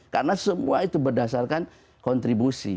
karena semua itu berdasarkan kontribusi